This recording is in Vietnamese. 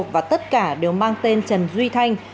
và tất cả đều mang tên trần duy thanh